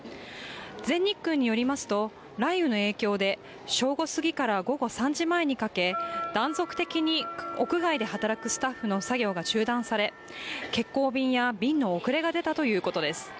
全日空によりますと雷雨の影響で正午過ぎから午後３時前にかけ断続的に屋外で働くスタッフの作業が中断され、欠航便や便の遅れが出たということです。